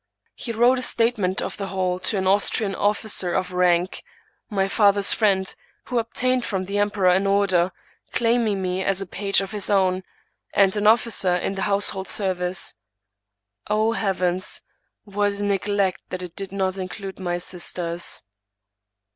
He wrote a statement of the whole to an Austrian officer of rank, my father's friend, who obtained from the emperor an order, claiming me as a page of his own, and an officer in the household service. O heavens! what a neglect that it did not include my sisters